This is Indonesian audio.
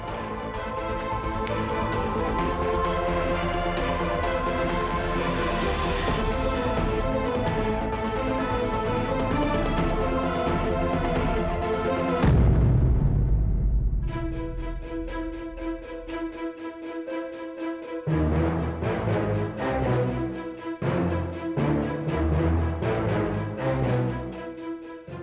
terima kasih pak